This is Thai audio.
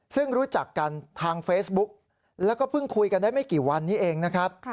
ซึ่งรู้จักกันทางเฟซบุ๊กแล้วก็เพิ่งคุยกันได้ไม่กี่วันนี้เองนะครับ